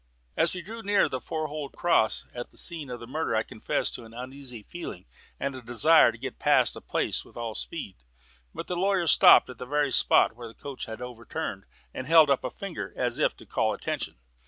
As we drew near to the Four Holed Cross and the scene of the murder I confess to an uneasy feeling and a desire to get past the place with all speed. But the lawyer stopped by the very spot where the coach was overturned, and held up a finger as if to call attention.